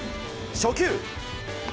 初球。